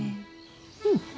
うん。